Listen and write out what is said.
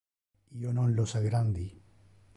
Io non los aggrandi.